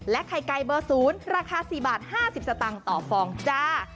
และไข่ไก่เบอร์ศูนย์ราคา๔๕๐บาทต่อฟองจ้า